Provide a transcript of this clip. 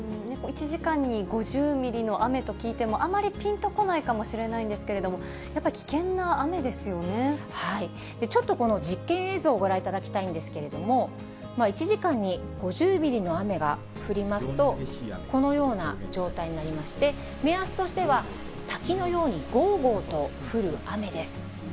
１時間に５０ミリの雨と聞いても、あまりぴんとこないかもしれないんですけれども、やっぱり危険なちょっとこの実験映像をご覧いただきたいんですけれども、１時間に５０ミリの雨が降りますと、このような状態になりまして、目安としては、滝のようにごーごーと降る雨です。